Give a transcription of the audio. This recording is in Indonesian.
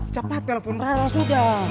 cepat telpon rara sudah